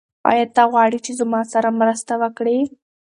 ایا ته غواړې چې زما سره مرسته وکړې؟